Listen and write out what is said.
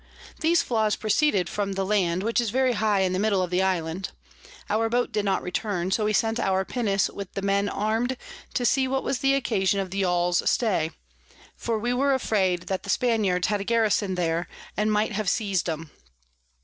These Flaws proceeded from the Land, which is very high in the middle of the Island. Our Boat did not return, so we sent our Pinnace with the Men arm'd, to see what was the occasion of the Yall's stay; for we were afraid that the Spaniards had a Garison there, and might have seiz'd 'em.